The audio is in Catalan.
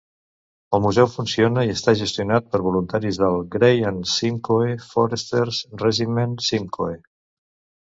El museu funciona i està gestionat per voluntaris del Grey and Simcoe Foresters Regiment Simcoe.